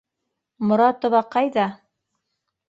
Моратова ҡайҙа?